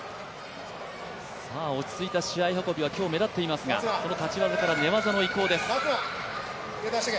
落ち着いた試合運びが今日、目立っていますがその立ち技から寝技の移行です。